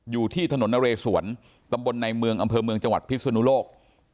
อยู่ที่ถนนนเรสวนตำบลในเมืองอำเภอเมืองจังหวัดพิศนุโลก